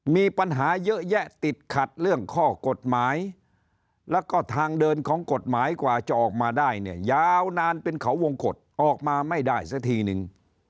มีปัญหาเยอะแยะติดขัดเรื่องข้อกฎหมายแล้วก็ทางเดินของกฎหมายกว่าจะออกมาได้เนี่ยยาวนานเป็นเขาวงกฎออกมาไม่ได้สักทีนึง